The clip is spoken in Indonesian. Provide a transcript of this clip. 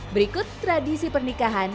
berikut tradisi pernikahan